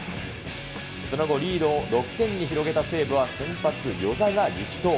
その後、リードを６点に広げた西武は先発、與座が力投。